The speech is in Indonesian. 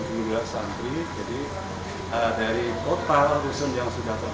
dari total rusun yang sudah terbangun ini